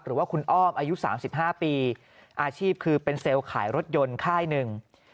หรือว่าคุณอ้อมอายุ๓๕ปีอาชีพคือเป็นเซลล์ขายรถยนต์ค่ายหนึ่ง